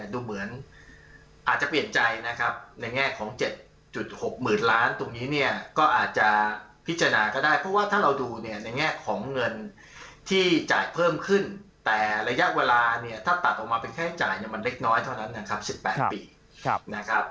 ดูเหมือนอาจจะเปลี่ยนใจนะครับในแง่ของ๗๖๐๐๐ล้านตรงนี้เนี่ยก็อาจจะพิจารณาก็ได้เพราะว่าถ้าเราดูเนี่ยในแง่ของเงินที่จ่ายเพิ่มขึ้นแต่ระยะเวลาเนี่ยถ้าตัดออกมาเป็นค่าจ่ายเนี่ยมันเล็กน้อยเท่านั้นนะครับ๑๘ปีนะครับ